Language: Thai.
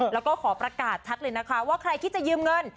แล้วก็ขอประกาศชัดเลยนะคะว่าใครคิดจะยืมเงิน